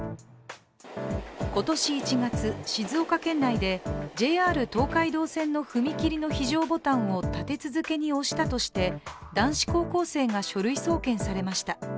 今年１月、静岡県内でＪＲ東海道線の踏切の非常ボタンを立て続けに押したとして、男子高校生が書類送検されました。